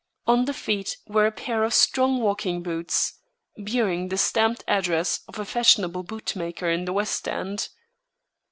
On the feet were a pair of strong walking boots, bearing the stamped address of a fashionable boot maker in the West End.